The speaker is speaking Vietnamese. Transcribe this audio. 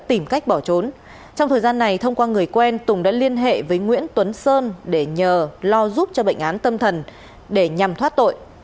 trong thời gian này thông qua người quen tùng đã liên hệ với nguyễn tuấn sơn để nhờ lo giúp cho bệnh án tâm thần để nhằm thoát tội